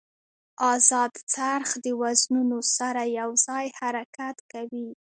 ازاد څرخ د وزنونو سره یو ځای حرکت کوي.